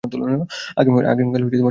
আগামীকাল সকালে অনুষ্ঠান।